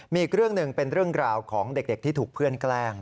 มีอีกเรื่องหนึ่งเป็นเรื่องราวของเด็กที่ถูกเพื่อนแกล้ง